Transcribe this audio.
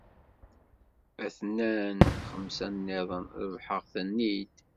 A-ten-an xemsa-nniḍen, rebḥeɣ-ten-id.